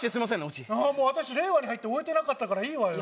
オチ私令和に入って追えてなかったからいいわよ